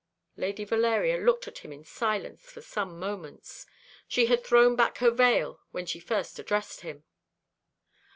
Lady Valeria looked at him in silence for some moments. She had thrown back her veil when she first addressed him.